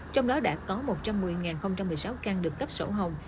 trong đó đã có một trăm một mươi một mươi sáu căn được cấp sổ hồng